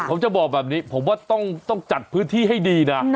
ผมจะบอกแบบนี้ผมว่าต้องจัดพื้นที่ให้ดีนะ